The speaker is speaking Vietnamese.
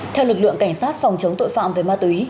theo lực lượng cảnh sát phòng chống tội phạm về ma túy